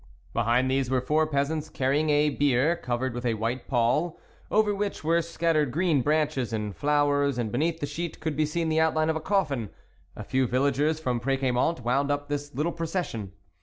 Behind these were four peasants carry ing a bier covered with a white pall over which were scattered green branches and flowers, and beneath the sheet could be seen the outline of a coffin ; a few villagers from Preciamont wound up this little pro cession.